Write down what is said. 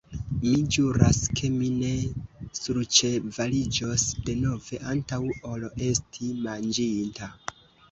Mi ĵuras, ke mi ne surĉevaliĝos denove, antaŭ ol esti manĝinta.